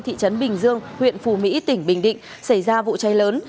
thị trấn bình dương huyện phù mỹ tỉnh bình định xảy ra vụ cháy lớn